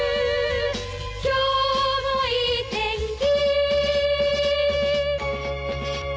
「今日もいい天気」